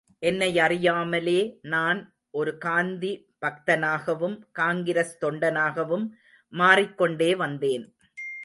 என்னையறியாமலே நான் ஒரு காந்தி பக்தனாகவும், காங்கிரஸ் தொண்டனாகவும் மாறிக்கொண்டே வந்தேன்.